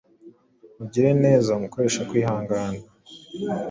Mugire neza mukoreshe kwihangana,